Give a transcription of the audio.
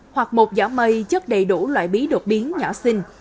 hoặc một giỏ mây chất đầy đủ loại bí đột biến nhỏ xinh